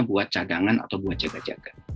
buat cadangan atau buat jaga jaga